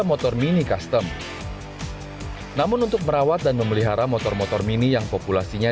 motor mini custom namun untuk merawat dan memelihara motor motor mini yang populasinya